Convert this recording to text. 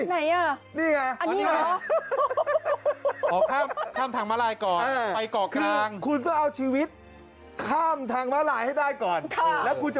ไหนอ่ะนี่ไงอันนี้เหรออ๋อข้ามข้ามทางม้าลายก่อนเออ